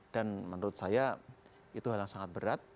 dan menurut saya itu hal yang sangat berat